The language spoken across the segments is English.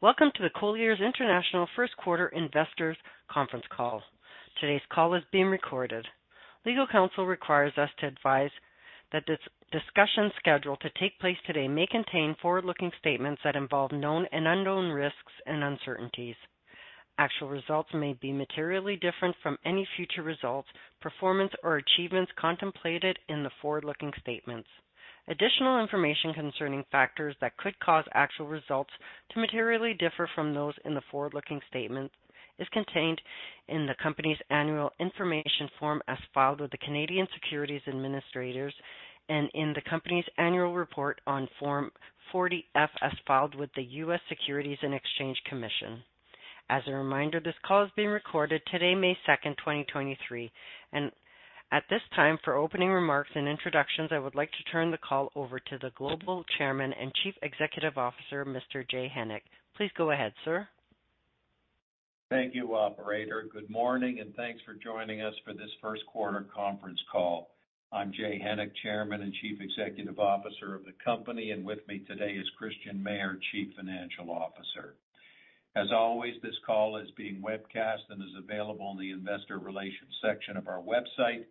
Welcome to the Colliers International first quarter investors conference call. Today's call is being recorded. Legal counsel requires us to advise that this discussion scheduled to take place today may contain forward-looking statements that involve known and unknown risks and uncertainties. Actual results may be materially different from any future results, performance, or achievements contemplated in the forward-looking statements. Additional information concerning factors that could cause actual results to materially differ from those in the forward-looking statements is contained in the company's annual information form as filed with the Canadian Securities Administrators and in the company's annual report on Form 40-F as filed with the US Securities and Exchange Commission. As a reminder, this call is being recorded today, May 2, 2023. At this time, for opening remarks and introductions, I would like to turn the call over to the Global Chairman and Chief Executive Officer, Mr. Jay Hennick. Please go ahead, sir. Thank you, operator. Good morning, and thanks for joining us for this first quarter conference call. I'm Jay Hennick, chairman and chief executive officer of the company. With me today is Christian Mayer, chief financial officer. As always, this call is being webcast and is available in the investor relations section of our website,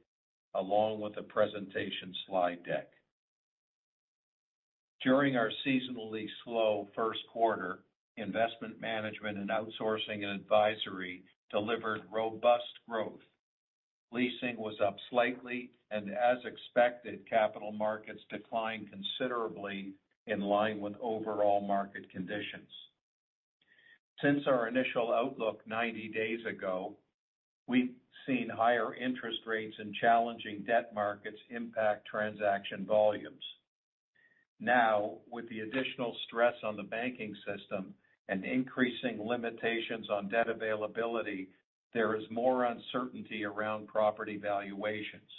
along with a presentation slide deck. During our seasonally slow first quarter, investment management and outsourcing and advisory delivered robust growth. Leasing was up slightly, and as expected, capital markets declined considerably in line with overall market conditions. Since our initial outlook 90 days ago, we've seen higher interest rates and challenging debt markets impact transaction volumes. Now, with the additional stress on the banking system and increasing limitations on debt availability, there is more uncertainty around property valuations.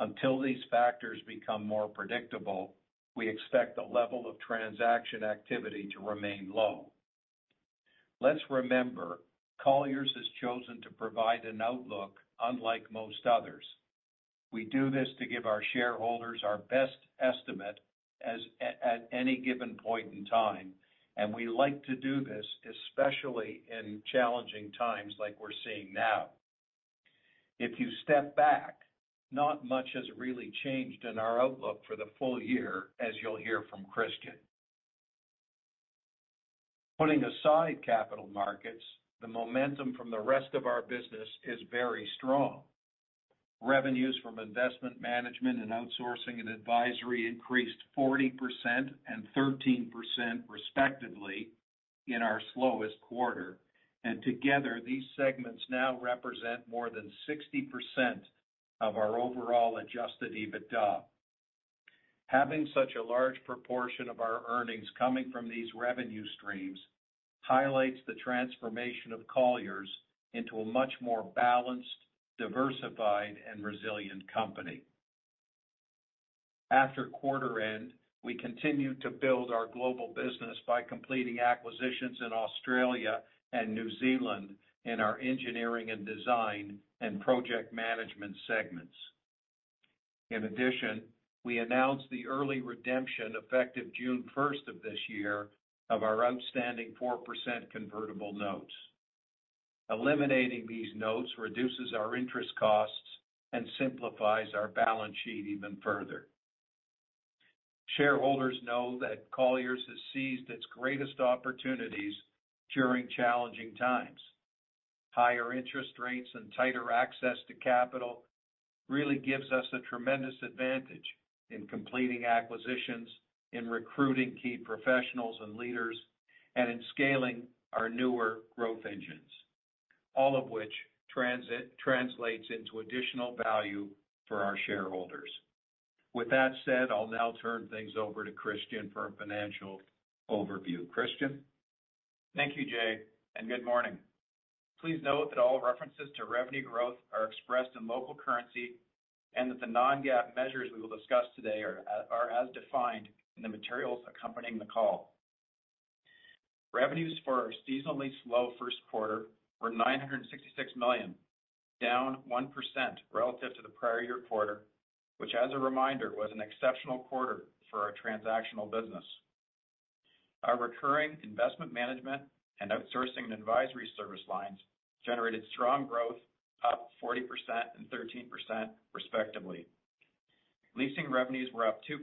Until these factors become more predictable, we expect the level of transaction activity to remain low. Let's remember, Colliers has chosen to provide an outlook unlike most others. We do this to give our shareholders our best estimate at any given point in time, and we like to do this especially in challenging times like we're seeing now. If you step back, not much has really changed in our outlook for the full year, as you'll hear from Christian. Putting aside capital markets, the momentum from the rest of our business is very strong. Revenues from investment management and outsourcing and advisory increased 40% and 13%, respectively, in our slowest quarter. Together, these segments now represent more than 60% of our overall adjusted EBITDA. Having such a large proportion of our earnings coming from these revenue streams highlights the transformation of Colliers into a much more balanced, diversified, and resilient company. After quarter end, we continued to build our global business by completing acquisitions in Australia and New Zealand in our engineering and design and project management segments. In addition, we announced the early redemption effective June 1st of this year of our outstanding 4% convertible notes. Eliminating these notes reduces our interest costs and simplifies our balance sheet even further. Shareholders know that Colliers has seized its greatest opportunities during challenging times. Higher interest rates and tighter access to capital really gives us a tremendous advantage in completing acquisitions, in recruiting key professionals and leaders, and in scaling our newer growth engines, all of which translates into additional value for our shareholders. With that said, I'll now turn things over to Christian for a financial overview. Christian. Thank you, Jay, and good morning. Please note that all references to revenue growth are expressed in local currency and that the non-GAAP measures we will discuss today are as defined in the materials accompanying the call. Revenues for our seasonally slow first quarter were $966 million, down 1% relative to the prior year quarter, which as a reminder, was an exceptional quarter for our transactional business. Our recurring investment management and outsourcing and advisory service lines generated strong growth, up 40% and 13%, respectively. Leasing revenues were up 2%,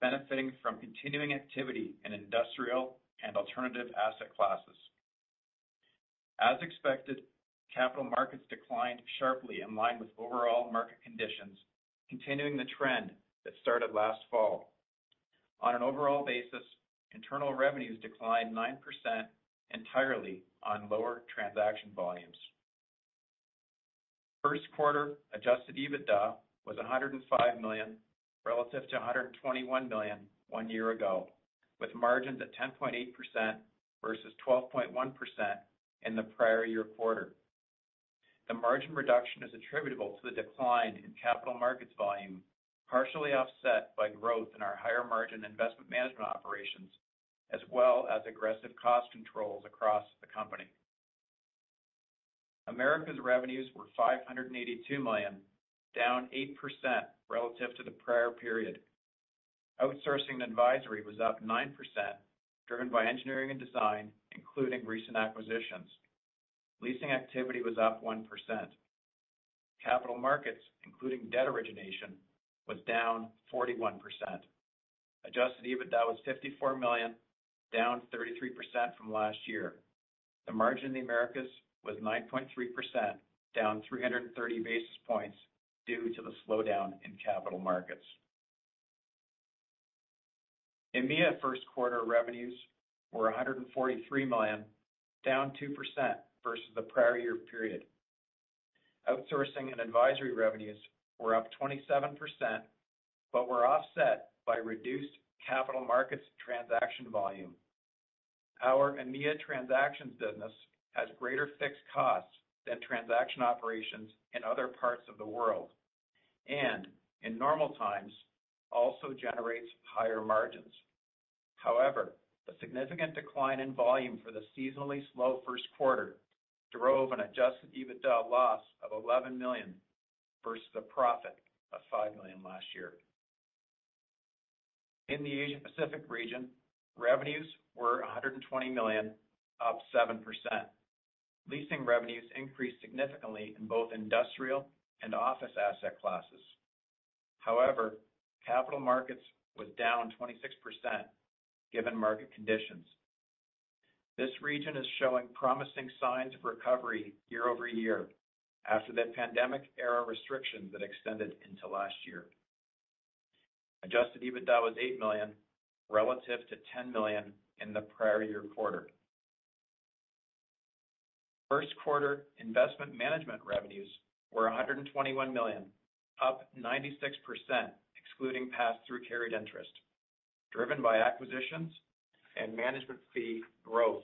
benefiting from continuing activity in industrial and alternative asset classes. As expected, capital markets declined sharply in line with overall market conditions, continuing the trend that started last fall. On an overall basis, internal revenues declined 9% entirely on lower transaction volumes. First quarter adjusted EBITDA was $105 million relative to $121 million one year ago, with margins at 10.8% versus 12.1% in the prior year quarter. The margin reduction is attributable to the decline in capital markets volume, partially offset by growth in our higher-margin investment management operations, as well as aggressive cost controls across the company. Americas revenues were $582 million, down 8% relative to the prior period. Outsourcing advisory was up 9%, driven by engineering and design, including recent acquisitions. Leasing activity was up 1%. Capital markets, including debt origination, was down 41%. Adjusted EBITDA was $54 million, down 33% from last year. The margin in the Americas was 9.3%, down 330 basis points due to the slowdown in capital markets. EMEA first quarter revenues were $143 million, down 2% versus the prior year period. Outsourcing and advisory revenues were up 27%, but were offset by reduced capital markets transaction volume. Our EMEA transactions business has greater fixed costs than transaction operations in other parts of the world, and in normal times also generates higher margins. The significant decline in volume for the seasonally slow first quarter drove an adjusted EBITDA loss of $11 million versus a profit of $5 million last year. In the Asia Pacific region, revenues were $120 million, up 7%. Leasing revenues increased significantly in both industrial and office asset classes. Capital markets was down 26% given market conditions. This region is showing promising signs of recovery year-over-year after the pandemic era restrictions that extended into last year. adjusted EBITDA was $8 million relative to $10 million in the prior year quarter. First quarter investment management revenues were $121 million, up 96% excluding pass-through carried interest, driven by acquisitions and management fee growth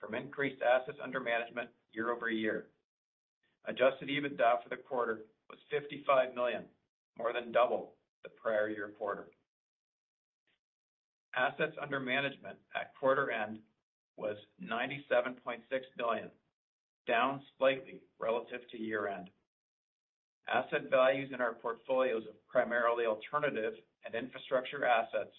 from increased assets under management year-over-year. adjusted EBITDA for the quarter was $55 million, more than double the prior year quarter. Assets under management at quarter end was $97.6 billion, down slightly relative to year end. Asset values in our portfolios of primarily alternative and infrastructure assets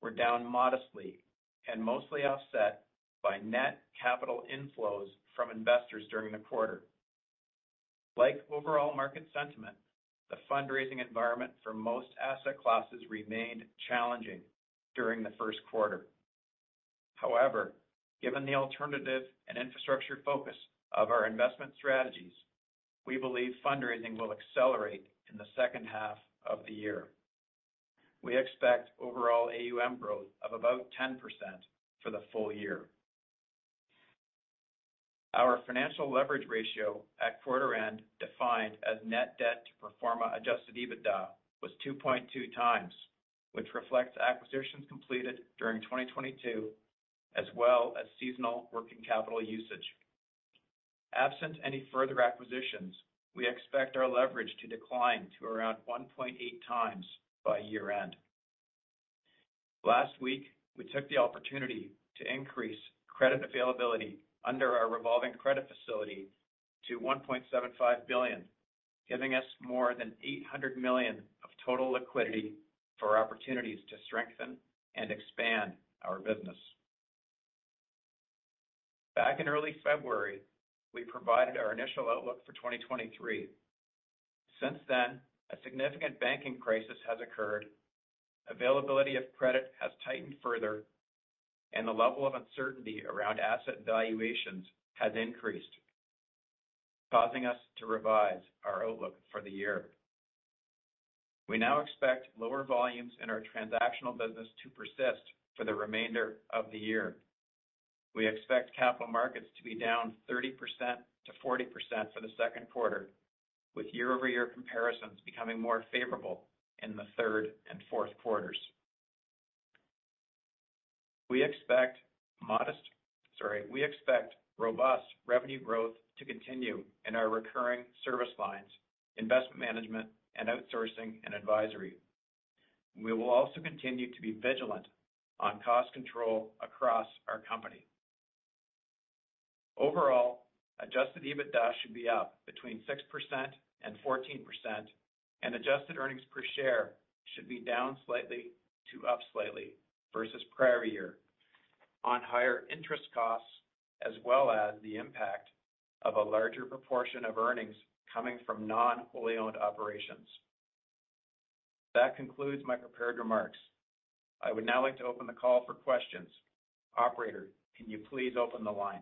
were down modestly and mostly offset by net capital inflows from investors during the quarter. Like overall market sentiment, the fundraising environment for most asset classes remained challenging during the first quarter. Given the alternative and infrastructure focus of our investment strategies, we believe fundraising will accelerate in the second half of the year. We expect overall AUM growth of about 10% for the full year. Our financial leverage ratio at quarter end, defined as net debt to pro forma adjusted EBITDA, was 2.2 times, which reflects acquisitions completed during 2022, as well as seasonal working capital usage. Absent any further acquisitions, we expect our leverage to decline to around 1.8 times by year end. Last week, we took the opportunity to increase credit availability under our revolving credit facility to $1.75 billion, giving us more than $800 million of total liquidity for opportunities to strengthen and expand our business. Back in early February, we provided our initial outlook for 2023. Since then, a significant banking crisis has occurred, availability of credit has tightened further, and the level of uncertainty around asset valuations has increased, causing us to revise our outlook for the year. We now expect lower volumes in our transactional business to persist for the remainder of the year. We expect capital markets to be down 30%-40% for the second quarter, with year-over-year comparisons becoming more favorable in the third and fourth quarters. We expect robust revenue growth to continue in our recurring service lines, investment management and outsourcing and advisory. We will also continue to be vigilant on cost control across our company. Overall, adjusted EBITDA should be up between 6% and 14%, and adjusted earnings per share should be down slightly to up slightly versus prior year on higher interest costs, as well as the impact of a larger proportion of earnings coming from non-wholly owned operations. That concludes my prepared remarks. I would now like to open the call for questions. Operator, can you please open the line?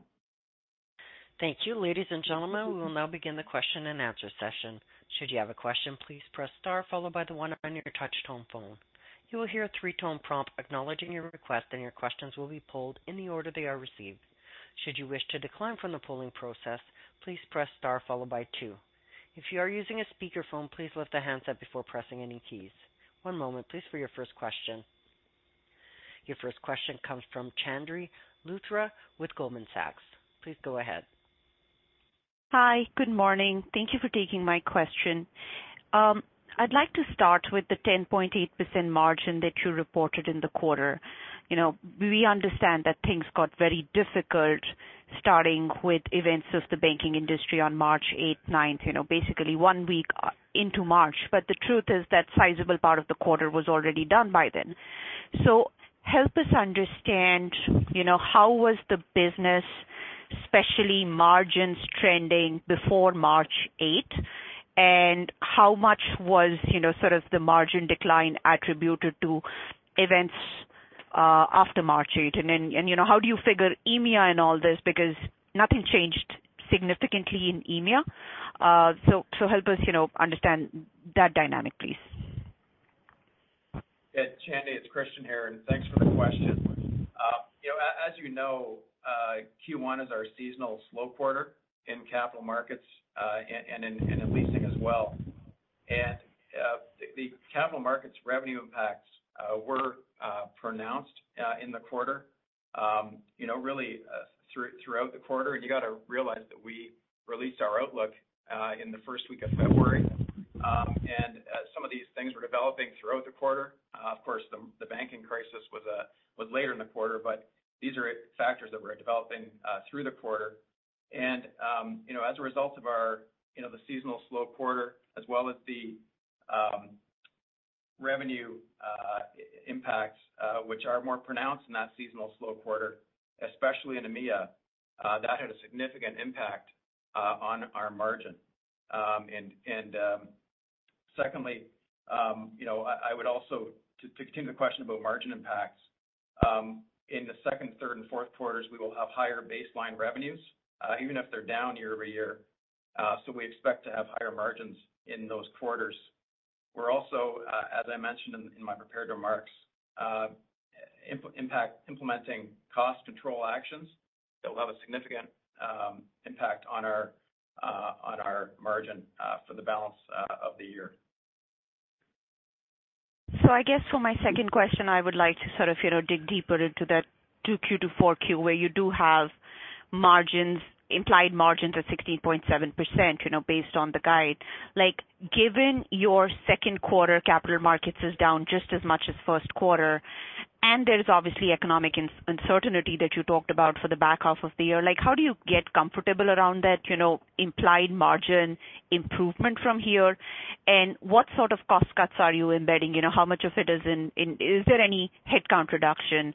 Thank you. Ladies and gentlemen, we will now begin the question and answer session. Should you have a question, please press star followed by the one on your touch tone phone. You will hear a three-tone prompt acknowledging your request, and your questions will be pulled in the order they are received. Should you wish to decline from the polling process, please press star followed by two. If you are using a speakerphone, please lift the handset before pressing any keys. One moment please for your first question. Your first question comes from Chandni Luthra with Goldman Sachs. Please go ahead. Hi. Good morning. Thank you for taking my question. I'd like to start with the 10.8% margin that you reported in the quarter. You know, we understand that things got very difficult starting with events of the banking industry on March 8th, 9th, you know, basically one week into March. The truth is that sizable part of the quarter was already done by then. Help us understand, you know, how was the business, especially margins trending before March 8th, and how much was, you know, sort of the margin decline attributed to events after March 8th? You know, how do you figure EMEA in all this? Because nothing changed significantly in EMEA. Help us, you know, understand that dynamic, please. Yeah, Chandni, it's Christian here. Thanks for the question. You know, as you know, Q1 is our seasonal slow quarter in capital markets and in leasing as well. The capital markets revenue impacts were pronounced in the quarter, you know, really throughout the quarter. You got to realize that we released our outlook in the first week of February. Some of these things were developing throughout the quarter. Of course, the banking crisis was later in the quarter. These are factors that were developing through the quarter. You know, as a result of our, you know, the seasonal slow quarter as well as the revenue impacts, which are more pronounced in that seasonal slow quarter, especially in EMEA, that had a significant impact on our margin. Secondly, you know, I would also to continue the question about margin impacts. In the second, third and fourth quarters, we will have higher baseline revenues, even if they're down year-over-year. We expect to have higher margins in those quarters. We're also, as I mentioned in my prepared remarks, implementing cost control actions that will have a significant impact on our margin for the balance of the year. I guess for my second question, I would like to sort of, you know, dig deeper into that 2Q to 4Q, where you do have margins, implied margins of 16.7%, you know, based on the guide. Like, given your second quarter capital markets is down just as much as first quarter, and there's obviously economic uncertainty that you talked about for the back half of the year. Like, how do you get comfortable around that, you know, implied margin improvement from here? What sort of cost cuts are you embedding? You know, how much of it is in, is there any headcount reduction?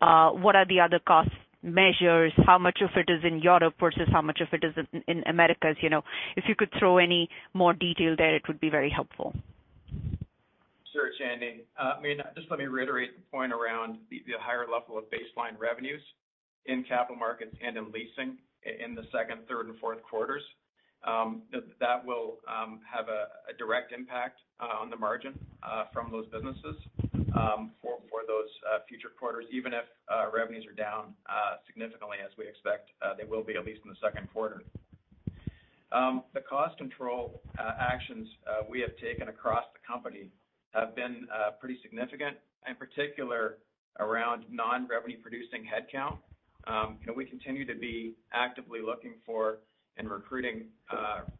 What are the other cost measures? How much of it is in Europe versus how much of it is in Americas? You know, if you could throw any more detail there, it would be very helpful. Sure, Chandni. I mean, just let me reiterate the point around the higher level of baseline revenues in capital markets and in leasing in the second, third and fourth quarters. That will have a direct impact on the margin from those businesses for those future quarters, even if revenues are down significantly as we expect they will be at least in the second quarter. The cost control actions we have taken across the company have been pretty significant, in particular around non-revenue producing headcount. You know, we continue to be actively looking for and recruiting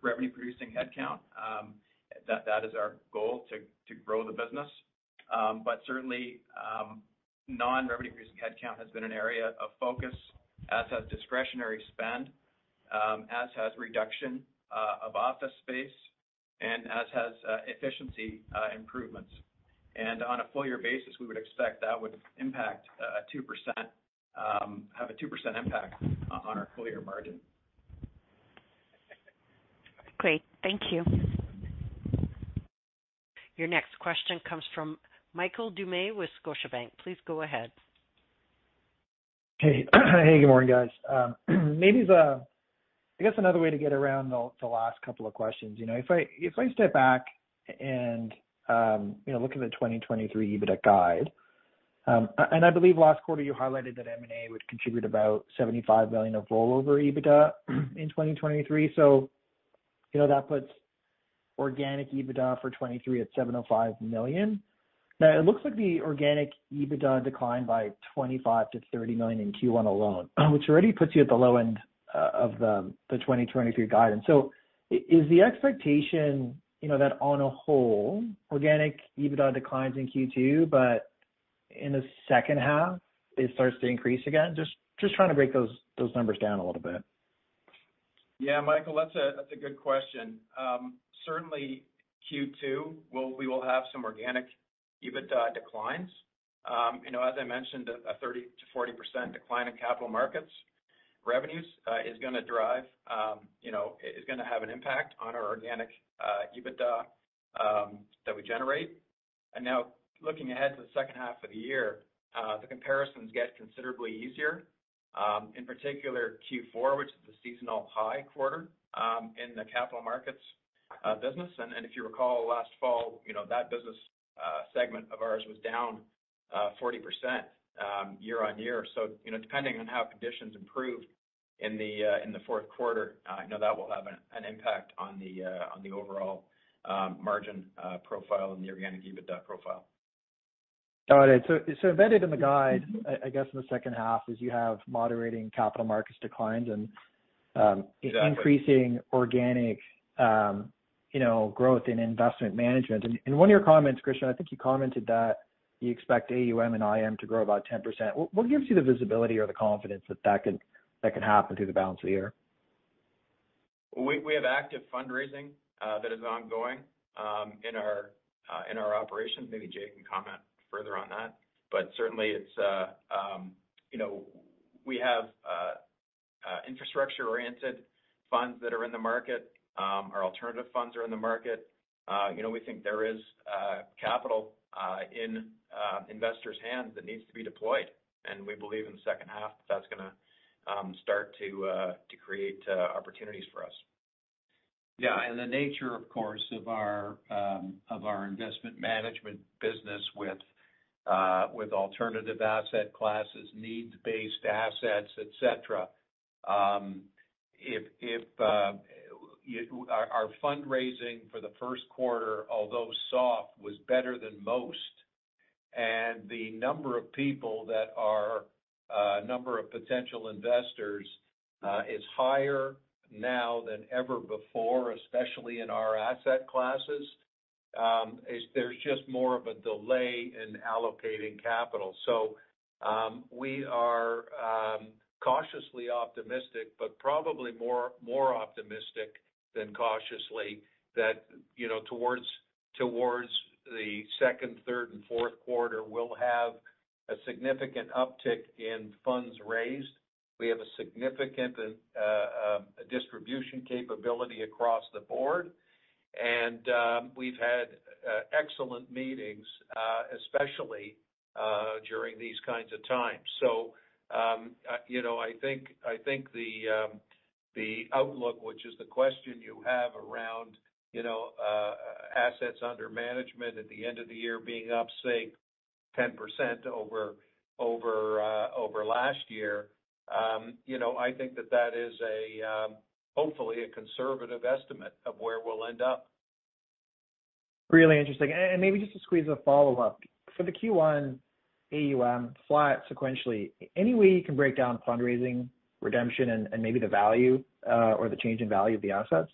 revenue producing headcount. That is our goal to grow the business. Certainly, non-revenue producing headcount has been an area of focus. As has discretionary spend, as has reduction of office space and as has efficiency improvements. On a full year basis, we would expect that would impact 2%, have a 2% impact on our full year margin. Great. Thank you. Your next question comes from Michael Doumet with Scotiabank. Please go ahead. Hey. Hey, good morning, guys. I guess another way to get around the last couple of questions. You know, if I step back and, you know, look at the 2023 EBITDA guide, and I believe last quarter you highlighted that M&A would contribute about $75 million of rollover EBITDA in 2023. That puts organic EBITDA for 2023 at $705 million. Now it looks like the organic EBITDA declined by $25 million-$30 million in Q1 alone, which already puts you at the low end of the 2023 guidance. Is the expectation, you know, that on a whole organic EBITDA declines in Q2, but in the second half it starts to increase again? Just trying to break those numbers down a little bit. Yeah. Michael, that's a good question. Certainly Q2 we will have some organic EBITDA declines. You know, as I mentioned, a 30%-40% decline in capital markets revenues is gonna drive, you know, is gonna have an impact on our organic EBITDA that we generate. Now looking ahead to the second half of the year, the comparisons get considerably easier. In particular Q4, which is the seasonal high quarter in the capital markets business. If you recall last fall, you know, that business segment of ours was down 40% year-on-year. You know, depending on how conditions improve in the fourth quarter, I know that will have an impact on the overall margin profile and the organic EBITDA profile. Got it. Embedded in the guide, I guess in the second half is you have moderating capital markets declines. Exactly... increasing organic, you know, growth in investment management. In one of your comments, Christian, I think you commented that you expect AUM and IM to grow about 10%. What gives you the visibility or the confidence that that can happen through the balance of the year? We have active fundraising that is ongoing in our operations. Maybe Jay can comment further on that. Certainly it's, you know. We have infrastructure-oriented funds that are in the market. Our alternative funds are in the market. You know, we think there is capital in investors' hands that needs to be deployed, and we believe in the second half that's gonna start to create opportunities for us. Yeah. The nature, of course, of our investment management business with alternative asset classes, needs-based assets, et cetera, if our fundraising for the first quarter, although soft, was better than most. The number of people that are number of potential investors is higher now than ever before, especially in our asset classes. There's just more of a delay in allocating capital. We are cautiously optimistic, but probably more optimistic than cautiously that, you know, towards the second, third and fourth quarter, we'll have a significant uptick in funds raised. We have a significant distribution capability across the board. We've had excellent meetings, especially during these kinds of times. you know, I think the outlook, which is the question you have around, you know, assets under management at the end of the year being up, say, 10% over last year, I think that that is a, hopefully a conservative estimate of where we'll end up. Really interesting. Maybe just to squeeze a follow-up. For the Q1 AUM flat sequentially, any way you can break down fundraising, redemption and maybe the value or the change in value of the assets?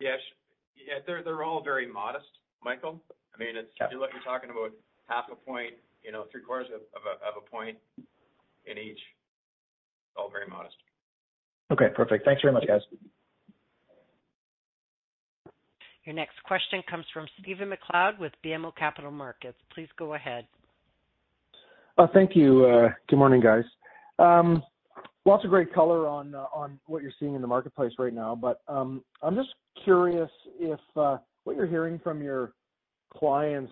Yes. Yeah. They're, they're all very modest, Michael. I mean. Okay You're talking about half a point, you know, three-quarters of a point in each. All very modest. Okay. Perfect. Thanks very much, guys. Your next question comes from Stephen MacLeod with BMO Capital Markets. Please go ahead. Thank you. Good morning, guys. Lots of great color on what you're seeing in the marketplace right now. I'm just curious if what you're hearing from your clients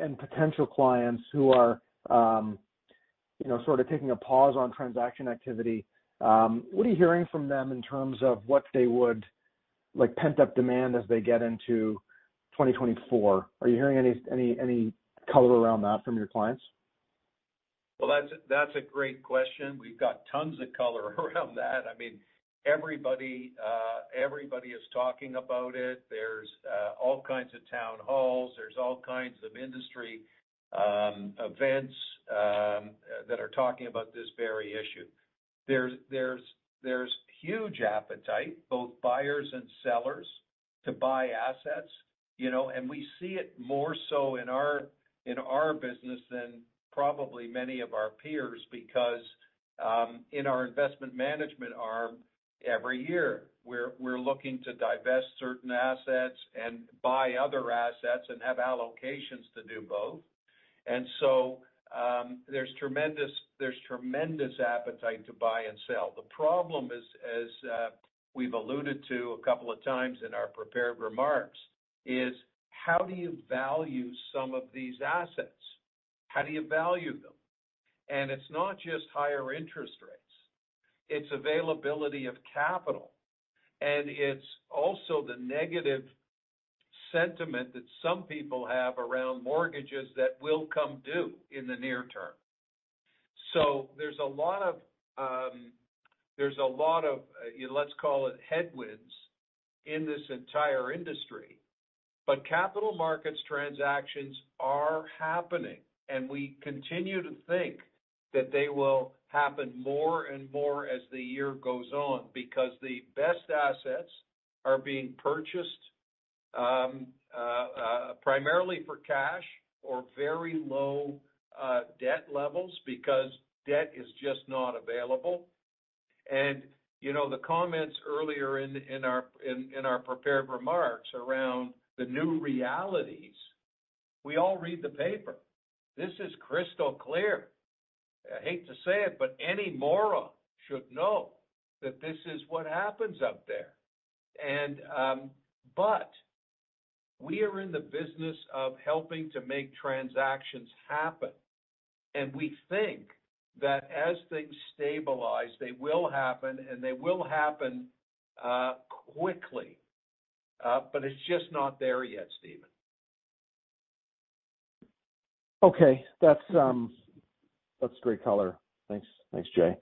and potential clients who are, you know, sort of taking a pause on transaction activity, what are you hearing from them in terms of what they would like pent-up demand as they get into 2024? Are you hearing any color around that from your clients? Well, that's a great question. We've got tons of color around that. I mean, everybody is talking about it. There's all kinds of town halls, there's all kinds of industry events that are talking about this very issue. There's huge appetite, both buyers and sellers, to buy assets, you know. We see it more so in our business than probably many of our peers because in our investment management arm, every year we're looking to divest certain assets and buy other assets and have allocations to do both. There's tremendous appetite to buy and sell. The problem is, as we've alluded to a couple of times in our prepared remarks, is how do you value some of these assets? How do you value them? It's not just higher interest rates. It's availability of capital, and it's also the negative sentiment that some people have around mortgages that will come due in the near term. There's a lot of, let's call it headwinds in this entire industry. Capital markets transactions are happening, and we continue to think that they will happen more and more as the year goes on, because the best assets are being purchased primarily for cash or very low debt levels because debt is just not available. You know, the comments earlier in our prepared remarks around the new realities. We all read the paper. This is crystal clear. I hate to say it, but any moron should know that this is what happens out there. We are in the business of helping to make transactions happen. We think that as things stabilize, they will happen, and they will happen, quickly. It's just not there yet, Steven. Okay. That's great color. Thanks. Thanks, Jay.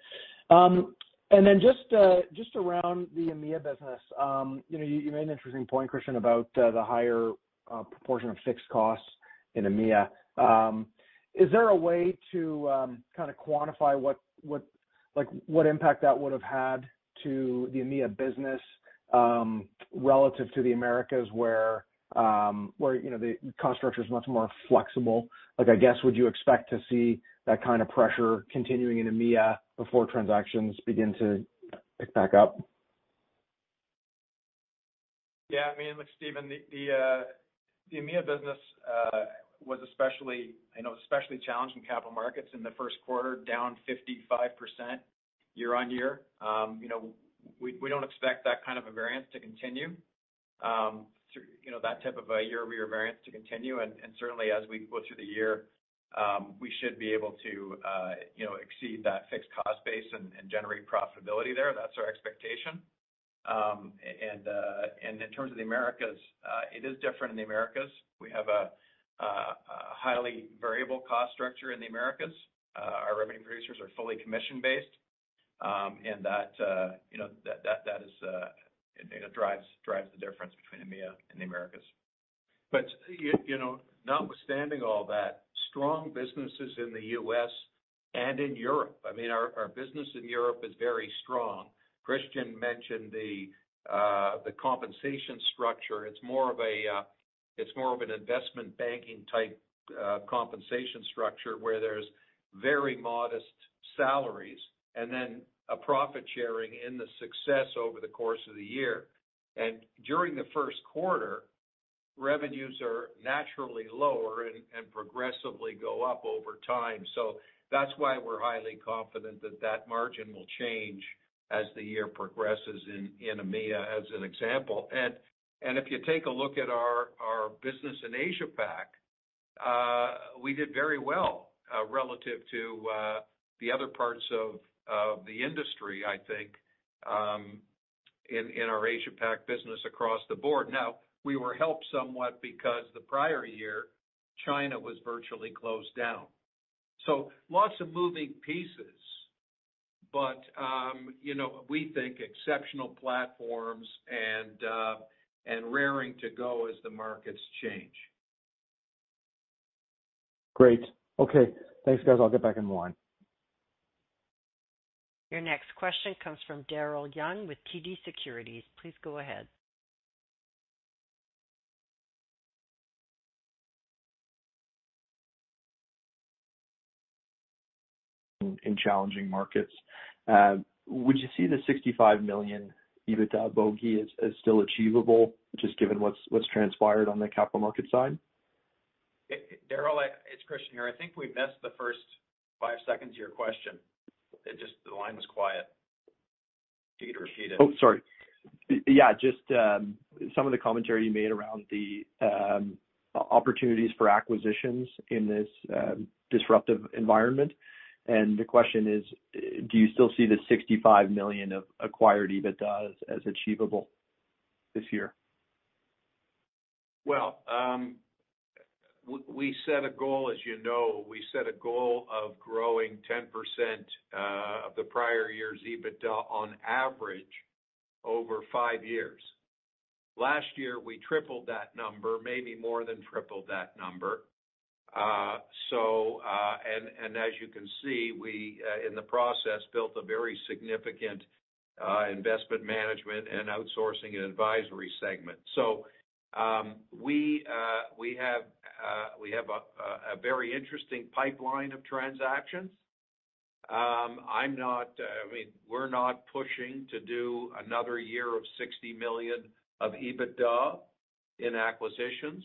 Then just around the EMEA business, you know, you made an interesting point, Christian, about the higher proportion of fixed costs in EMEA. Is there a way to kind of quantify like what impact that would have had to the EMEA business relative to the Americas where, you know, the cost structure is much more flexible? Like, I guess, would you expect to see that kind of pressure continuing in EMEA before transactions begin to pick back up? Yeah. I mean, look, Stephen, the EMEA business was especially, you know, especially challenging capital markets in the first quarter, down 55% year-on-year. You know, we don't expect that kind of a variance to continue, you know, that type of a year-over-year variance to continue. Certainly as we go through the year, we should be able to, you know, exceed that fixed cost base and generate profitability there. That's our expectation. In terms of the Americas, it is different in the Americas. We have a highly variable cost structure in the Americas. Our revenue producers are fully commission-based, and that, you know, that is, you know, drives the difference between EMEA and the Americas. You know, notwithstanding all that, strong businesses in the U.S. and in Europe. I mean, our business in Europe is very strong. Christian mentioned the compensation structure. It's more of an investment banking type compensation structure where there's very modest salaries and then a profit sharing in the success over the course of the year. During the first quarter, revenues are naturally lower and progressively go up over time. That's why we're highly confident that that margin will change as the year progresses in EMEA as an example. If you take a look at our business in Asia Pac, we did very well relative to the other parts of the industry, I think, in our Asia Pac business across the board. We were helped somewhat because the prior year, China was virtually closed down. Lots of moving pieces, but, you know, we think exceptional platforms and raring to go as the markets change. Great. Okay. Thanks, guys. I'll get back in line. Your next question comes from Daryl Young with TD Securities. Please go ahead. In challenging markets. Would you see the $65 million EBITDA bogey as still achievable just given what's transpired on the capital market side? Daryl, it's Christian here. I think we missed the first 5 seconds of your question. The line was quiet. Do you need to repeat it? Sorry. Yeah, just some of the commentary you made around the opportunities for acquisitions in this disruptive environment. The question is, do you still see the $65 million of acquired EBITDA as achievable this year? Well, we set a goal, as you know, we set a goal of growing 10% of the prior year's EBITDA on average over five years. Last year, we tripled that number, maybe more than tripled that number. And as you can see, we, in the process, built a very significant investment management and outsourcing and advisory segment. We have a very interesting pipeline of transactions. I'm not, I mean, we're not pushing to do another year of $60 million of EBITDA in acquisitions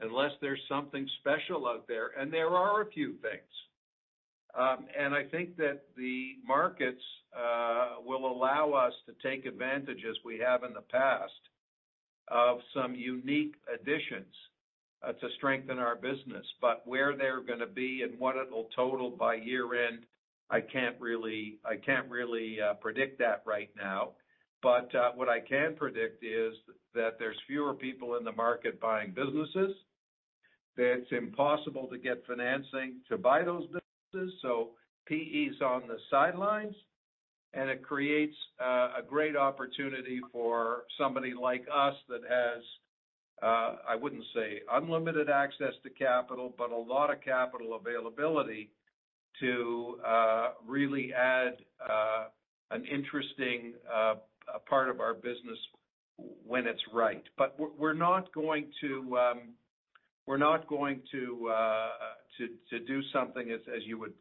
unless there's something special out there. There are a few things. I think that the markets will allow us to take advantage as we have in the past of some unique additions to strengthen our business. Where they're gonna be and what it'll total by year-end, I can't really predict that right now. What I can predict is that there's fewer people in the market buying businesses, that it's impossible to get financing to buy those businesses, so PE is on the sidelines. It creates a great opportunity for somebody like us that has, I wouldn't say unlimited access to capital, but a lot of capital availability to really add an interesting part of our business when it's right. We're not going to to do something as you would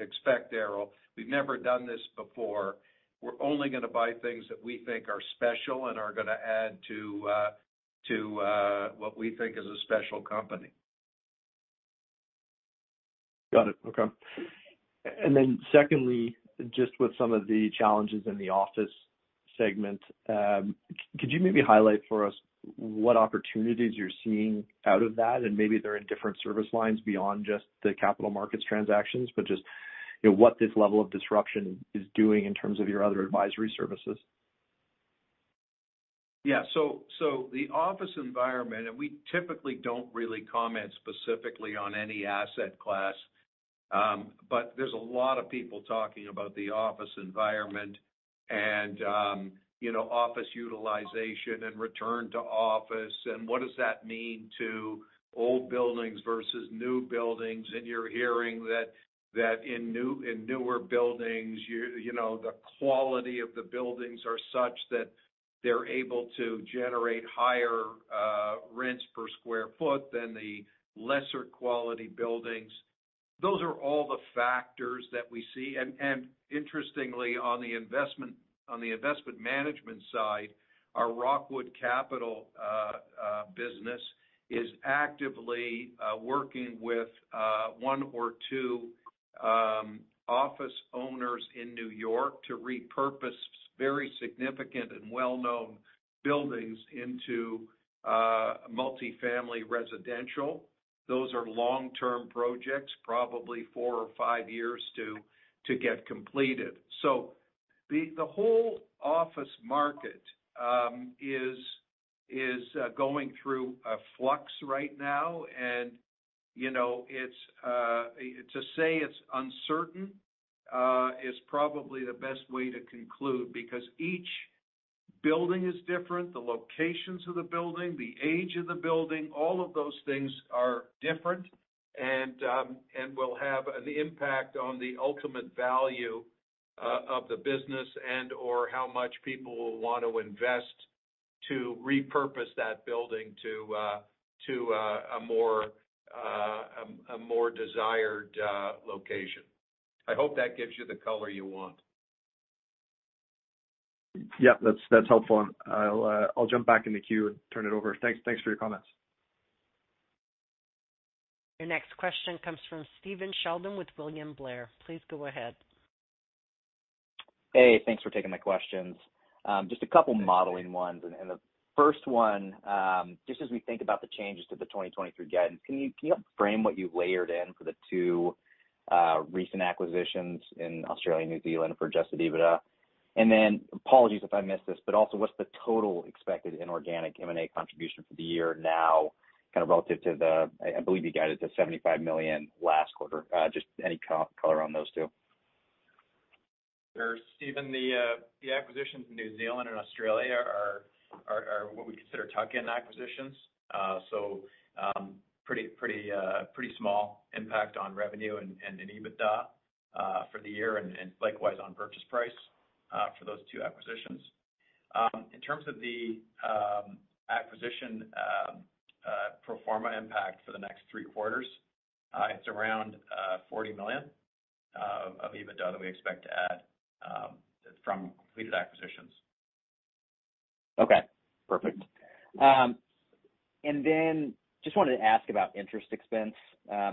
expect, Daryl. We've never done this before. We're only gonna buy things that we think are special and are gonna add to what we think is a special company. Got it. Okay. Secondly, just with some of the challenges in the office segment, could you maybe highlight for us what opportunities you're seeing out of that? Maybe they're in different service lines beyond just the capital markets transactions, but just, you know, what this level of disruption is doing in terms of your other advisory services? Yeah. The office environment, we typically don't really comment specifically on any asset class, but there's a lot of people talking about the office environment and, you know, office utilization and return to office, what does that mean to old buildings versus new buildings. You're hearing that in newer buildings, you know, the quality of the buildings are such that they're able to generate higher rents per square foot than the lesser quality buildings. Those are all the factors that we see. Interestingly, on the investment management side, our Rockwood Capital business is actively working with one or two office owners in New York to repurpose very significant and well-known buildings into multifamily residential. Those are long-term projects, probably four or five years to get completed. The whole office market is going through a flux right now. You know, it's, to say it's uncertain, is probably the best way to conclude because each building is different, the locations of the building, the age of the building, all of those things are different and will have an impact on the ultimate value, of the business and or how much people will want to invest to repurpose that building to a more, a more desired, location. I hope that gives you the color you want. Yeah. That's helpful. I'll jump back in the queue and turn it over. Thanks for your comments. Your next question comes from Stephen Sheldon with William Blair. Please go ahead. Hey, thanks for taking my questions. Just a couple modeling ones. The first one, just as we think about the changes to the 2023 guidance, can you help frame what you've layered in for the 2 recent acquisitions in Australia and New Zealand for adjusted EBITDA? Apologies if I missed this, but also what's the total expected inorganic M&A contribution for the year now kind of relative to the I believe you guided to $75 million last quarter? Just any color on those 2. Sure, Stephen. The acquisitions in New Zealand and Australia are what we consider tuck-in acquisitions. Pretty small impact on revenue and in EBITDA for the year and likewise on purchase price for those 2 acquisitions. In terms of the acquisition pro forma impact for the next 3 quarters, it's around $40 million of EBITDA that we expect to add from completed acquisitions. Okay. Perfect. Just wanted to ask about interest expense,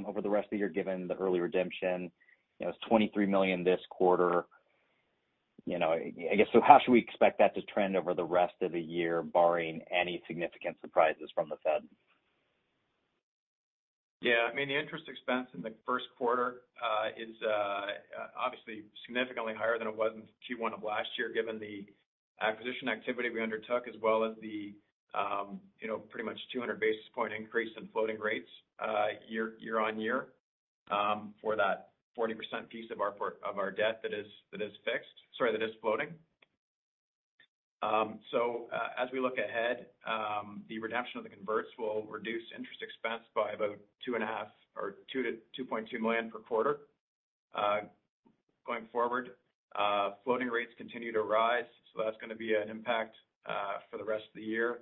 over the rest of the year, given the early redemption. You know, it was $23 million this quarter. You know, I guess how should we expect that to trend over the rest of the year barring any significant surprises from the Fed? I mean, the interest expense in the first quarter is obviously significantly higher than it was in Q1 of last year, given the acquisition activity we undertook as well as the, you know, pretty much 200 basis point increase in floating rates year-on-year for that 40% piece of our debt that is fixed, sorry, that is floating. As we look ahead, the redemption of the converts will reduce interest expense by about $2.5 million or $2 million-$2.2 million per quarter. Going forward, floating rates continue to rise, so that's gonna be an impact for the rest of the year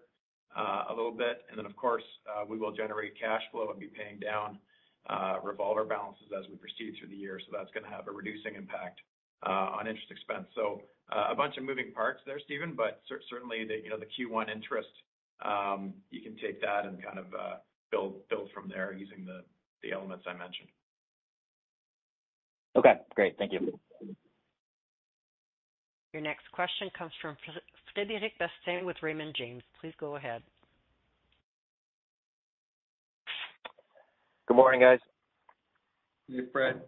a little bit. Of course, we will generate cash flow and be paying down revolver balances as we proceed through the year. That's gonna have a reducing impact on interest expense. A bunch of moving parts there, Stephen. Certainly, the, you know, the Q1 interest, you can take that and kind of build from there using the elements I mentioned. Okay, great. Thank you. Your next question comes from Frederic Bastien with Raymond James. Please go ahead. Good morning, guys. Hey, Fred.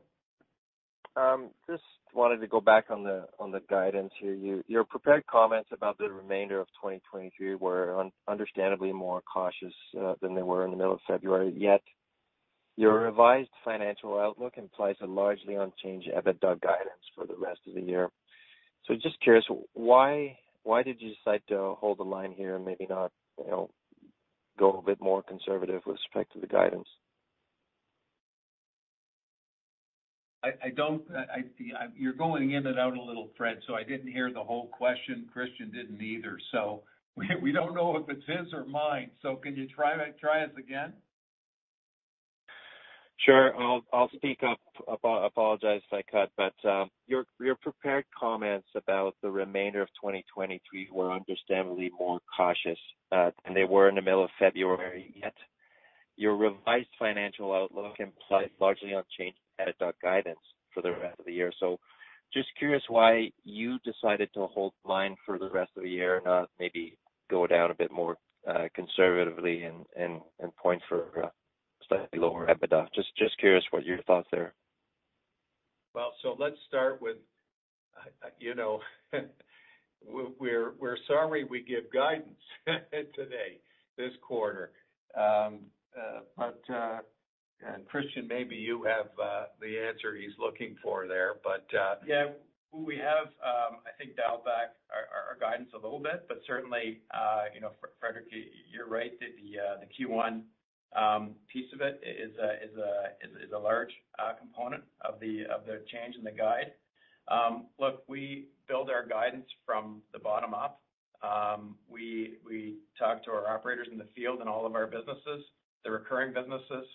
Just wanted to go back on the guidance here. Your prepared comments about the remainder of 2023 were understandably more cautious than they were in the middle of February, yet your revised financial outlook implies a largely unchanged EBITDA guidance for the rest of the year. Just curious, why did you decide to hold the line here and maybe not, you know, go a bit more conservative with respect to the guidance? I don't. You're going in and out a little, Fred, so I didn't hear the whole question. Christian didn't either. We don't know if it's his or mine. Can you try us again? Sure. I'll speak up. Apologize if I cut. Your prepared comments about the remainder of 2023 were understandably more cautious than they were in the middle of February, yet your revised financial outlook implies largely unchanged EBITDA guidance for the rest of the year. Just curious why you decided to hold the line for the rest of the year and not maybe go down a bit more conservatively and point for a slightly lower EBITDA? Just curious what your thoughts there are? Let's start with, you know, we're sorry we give guidance today, this quarter. Christian, maybe you have the answer he's looking for there. Yeah. We have, I think dialed back our guidance a little bit, but certainly, you know, Frederick, you're right that the Q1 piece of it is a large component of the change in the guide. Look, we build our guidance from the bottom up. We, we talk to our operators in the field in all of our businesses. The recurring businesses,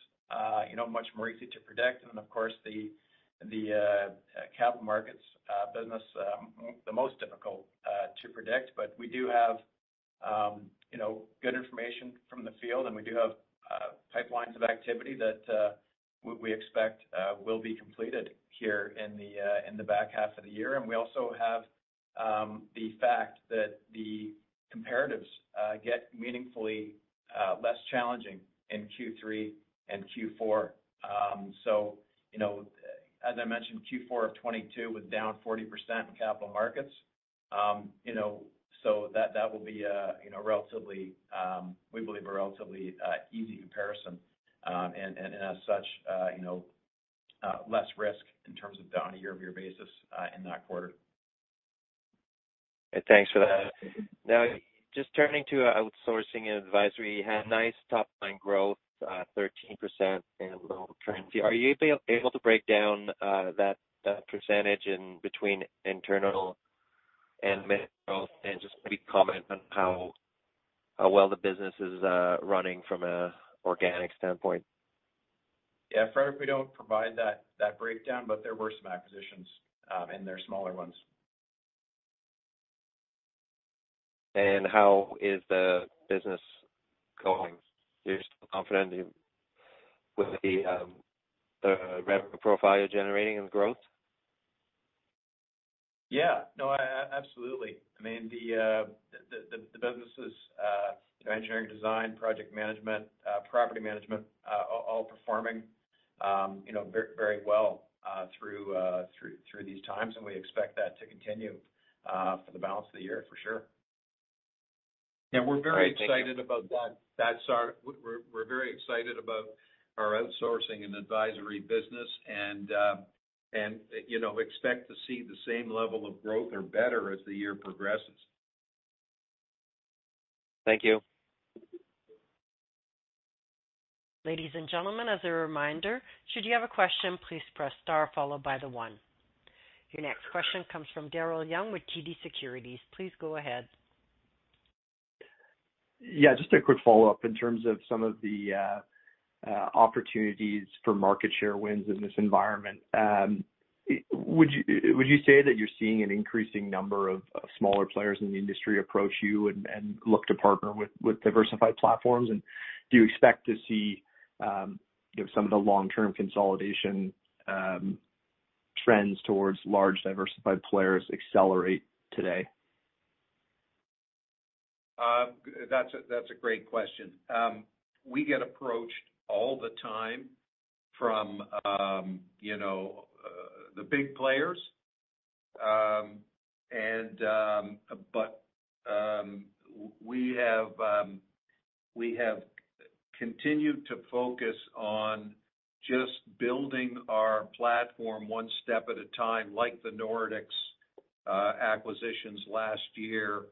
you know, much more easy to predict. Then, of course, the capital markets business, the most difficult to predict. We do have, you know, good information from the field, and we do have pipelines of activity that we expect will be completed here in the back half of the year. We also have the fact that the comparatives get meaningfully less challenging in Q3 and Q4. You know, as I mentioned, Q4 of 2022 was down 40% in capital markets. You know, that will be, you know, relatively, we believe a relatively easy comparison. As such, you know, less risk in terms of down a year-over-year basis in that quarter. Thanks for that. Just turning to outsourcing and advisory. You had nice top line growth, 13% and low trends. Are you able to break down that percentage in between internal and M&A growth? Just maybe comment on how well the business is running from a organic standpoint. Yeah. Frederick, we don't provide that breakdown, but there were some acquisitions, and they're smaller ones. How is the business going? Are you still confident with the revenue profile you're generating and the growth? Yeah. No, absolutely. I mean, the business is, you know, engineering design, project management, property management, all performing, you know, very well through these times. We expect that to continue for the balance of the year for sure. Yeah, we're very excited about that. We're very excited about our outsourcing and advisory business and, you know, expect to see the same level of growth or better as the year progresses. Thank you. Ladies and gentlemen, as a reminder, should you have a question, please press star followed by the one. Your next question comes from Daryl Young with TD Securities. Please go ahead. Yeah, just a quick follow-up. In terms of some of the opportunities for market share wins in this environment, would you say that you're seeing an increasing number of smaller players in the industry approach you and look to partner with diversified platforms? Do you expect to see, you know, some of the long-term consolidation trends towards large diversified players accelerate today? That's a great question. We get approached all the time from, you know, the big players. We have continued to focus on just building our platform one step at a time, like the Nordics acquisitions last year.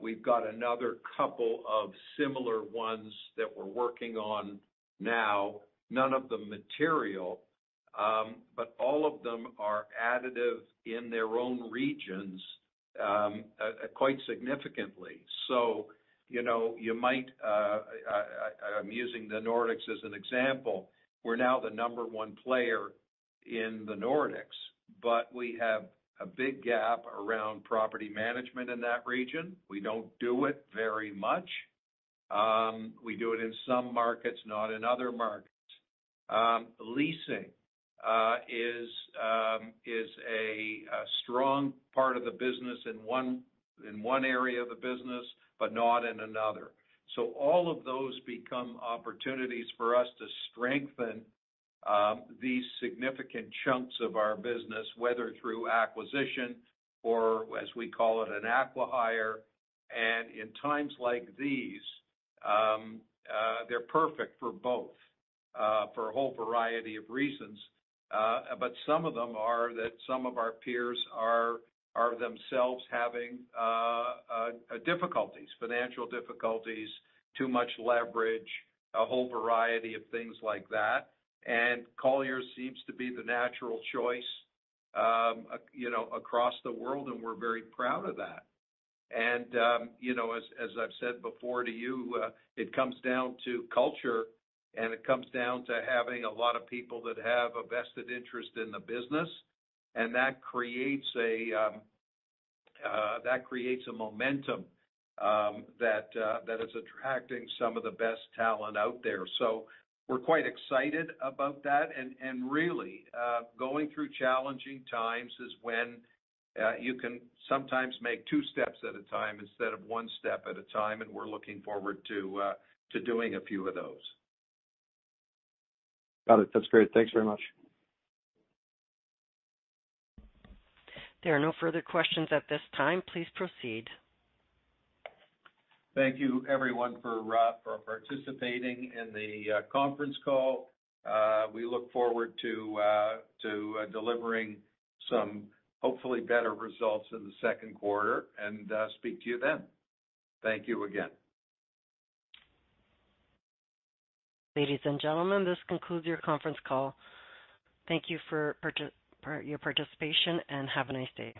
We've got another couple of similar ones that we're working on now. None of them material, but all of them are additive in their own regions, quite significantly. You know, you might, I'm using the Nordics as an example. We're now the number one player in the Nordics, but we have a big gap around property management in that region. We don't do it very much. We do it in some markets, not in other markets. Leasing is a strong part of the business in one area of the business, but not in another. All of those become opportunities for us to strengthen these significant chunks of our business, whether through acquisition or as we call it, an acquihire. In times like these, they're perfect for both, for a whole variety of reasons. Some of them are that some of our peers are themselves having difficulties, financial difficulties, too much leverage, a whole variety of things like that. Colliers seems to be the natural choice, you know, across the world, and we're very proud of that. You know, as I've said before to you, it comes down to culture, and it comes down to having a lot of people that have a vested interest in the business. That creates a momentum, that is attracting some of the best talent out there. We're quite excited about that. Really, going through challenging times is when you can sometimes make two steps at a time instead of one step at a time, and we're looking forward to doing a few of those. Got it. That's great. Thanks very much. There are no further questions at this time. Please proceed. Thank you everyone for participating in the conference call. We look forward to delivering some, hopefully, better results in the second quarter, and speak to you then. Thank you again. Ladies and gentlemen, this concludes your conference call. Thank you for your participation, have a nice day.